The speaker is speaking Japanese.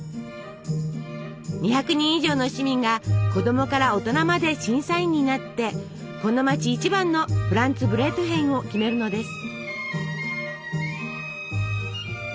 ２００人以上の市民が子供から大人まで審査員になってこの街一番のフランツブレートヒェンを決めるのです。